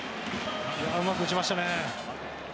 うまく打ちましたね。